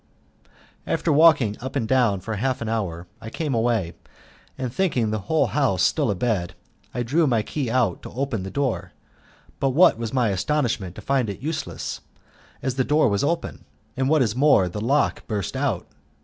After walking up and down for half an hour, I came away, and thinking the whole house still a bed I drew my key out to open the door, but what was my astonishment to find it useless, as the door was open, and what is more, the lock burst off.